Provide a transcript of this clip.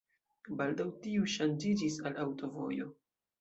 Baldaŭ tiu ŝanĝiĝis al aŭtovojo.